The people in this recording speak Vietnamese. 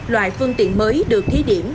loại phương tiện mới được thí điểm